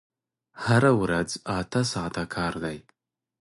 هره ورځ اته ساعته کار دی!